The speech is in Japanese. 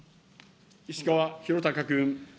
石川博崇君。